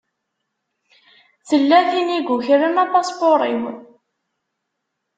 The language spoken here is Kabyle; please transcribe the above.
Tella tin i yukren apaspuṛ-iw.